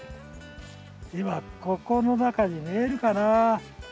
今ここの中に見えるかな？